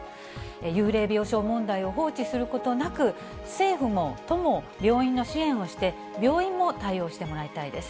幽霊病床問題を放置することなく、政府も都も病院の支援をして、病院も対応してもらいたいです。